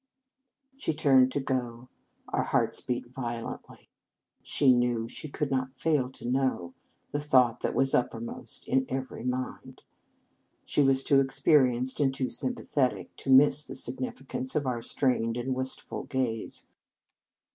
She turned to go. Our hearts beat violently. She knew, she could not fail to know, the thought that was uppermost in every mind. She was too experienced and too sympathetic to miss the significance of our strained and wistful gaze.